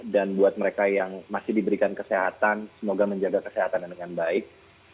dan buat mereka yang masih diberikan kesehatan semoga menjaga kesehatan dengan baik